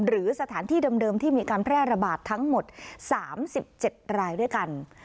หรือสถานที่เดิมที่มีการแพร่ระบาดทั้งหมด๓๗รายด้วยกัน